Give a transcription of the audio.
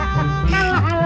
aduh aduh aduh aduh